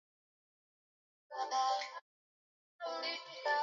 Kuanzia mwanzo, sikudhani kwamba nitaweza.